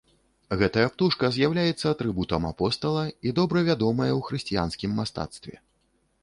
Гэтая птушка з'яўляецца атрыбутам апостала і добра вядомая ў хрысціянскім мастацтве.